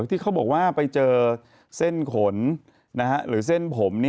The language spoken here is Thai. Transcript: ที่เขาบอกว่าไปเจอเส้นขนหรือเส้นผม